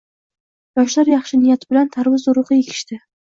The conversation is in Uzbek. Yoshlar yaxshi niyat bilan tarvuz urug‘i ekishdi.